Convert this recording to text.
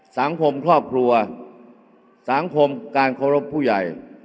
สังคมครอบครัวสังคมการเคารพผู้ใหญ่